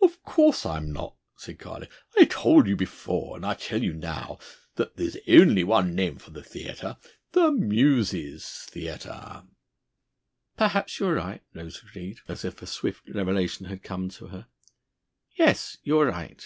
"Of course I'm not," said Carlo. "I told you before, and I tell you now, that there's only one name for the theatre 'The Muses' Theatre!'" "Perhaps you're right!" Rose agreed, as if a swift revelation had come to her. "Yes, you're right."